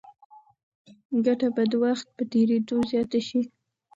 ګټه به د وخت په تېرېدو زیاته شي.